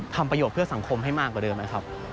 ทำประโยชน์เพื่อสังคมให้มากกว่าเดิมนะครับ